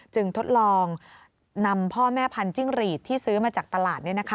ทดลองนำพ่อแม่พันธุ์จิ้งหรีดที่ซื้อมาจากตลาด